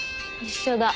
一緒だ。